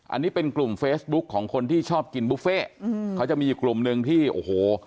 อันนี้เป็นกลุ่มเฟซบุ๊คของคนที่ชอบกินบุฟเฟ่อืมเขาจะมีอยู่กลุ่มหนึ่งที่โอ้โห